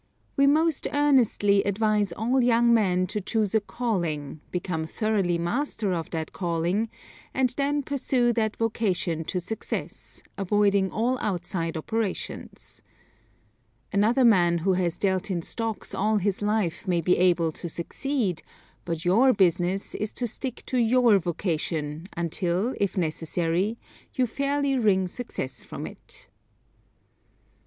We most earnestly advise all young men to choose a calling, become thoroughly master of that calling, then pursue that vocation to success, avoiding all outside operations. Another man who has dealt in stocks all his life may be able to succeed, but your business is to stick to your vocation until, if necessary, you fairly wring success from it.